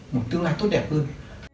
một tương lai tốt đẹp hơn